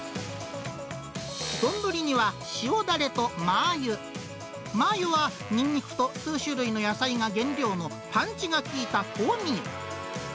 丼には塩だれとマー油、マー油はニンニクと数種類の野菜が原料の、パンチが効いた香味。